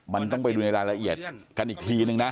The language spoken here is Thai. มันต้องไปดูในรายละเอียดกันอีกทีนึงนะ